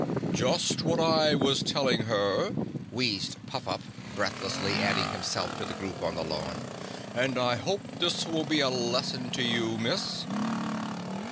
"Just what I was telling her," wheezed Puffup, breathlessly adding himself to the group on the lawn, "and I hopes this will be a lesson to you, Miss."